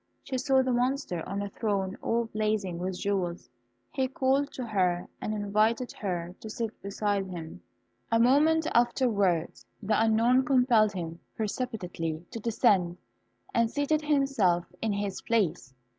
She saw the Monster on a throne all blazing with jewels; he called to her and invited her to sit beside him. A moment afterwards, the unknown compelled him precipitately to descend, and seated himself in his place.